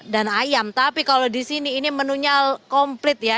dan ayam tapi kalau disini ini menunya komplit ya